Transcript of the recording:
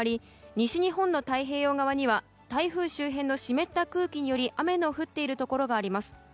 西日本の太平洋側には台風周辺の湿った空気により雨の降っているところがあります。